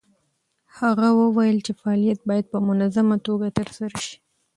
هغه وویل چې فعالیت باید په منظمه توګه ترسره شي.